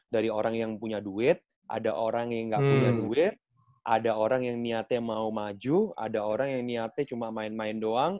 dari orang yang punya duit ada orang yang gak punya duit ada orang yang niatnya mau maju ada orang yang niatnya cuma main main doang